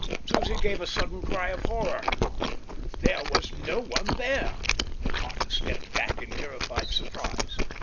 Susie gave a sudden cry of horror. There was no one there. Arthur stepped back in terrified surprise.